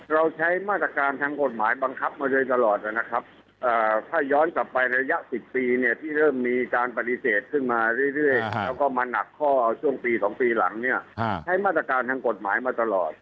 เราใช้มาตรการทางกฎหมายบังคับมาโดยตลอดนะครับถ้าย้อนกลับไประยะ๑๐ปีเนี่ยที่เริ่มมีการปฏิเสธขึ้นมาเรื่อยแล้วก็มาหนักข้อช่วงปี๒ปีหลังเนี่ยใช้มาตรการทางกฎหมายมาตลอด